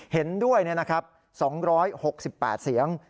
เห็นด้วย๒๖๘เสียง